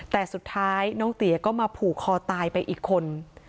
แต่สุดท้ายน้องเตี๋ยก็มาผูกคอตายไปอีกคน